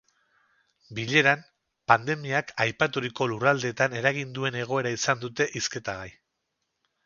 Bileran, pandemiak aipaturiko lurraldeetan eragin duen egoera izan dute hizketagai.